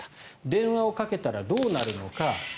電話をかけたら、どうなるのか。